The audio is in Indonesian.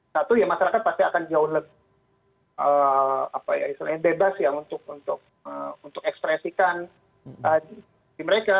satu ya masyarakat pasti akan jauh lebih bebas ya untuk ekspresikan diri mereka